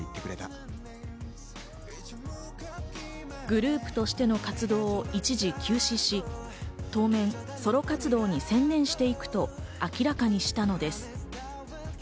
グループとしての活動を一時休止し、当面ソロ活動に専念していくと明らかにしたのです。